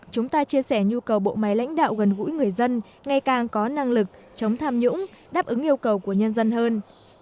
chúng ta chia sẻ nhu cầu bộ máy lãnh đạo gần gũi người dân ngày càng có năng lực chống tham nhũng đáp ứng yêu cầu của nhân dân hơn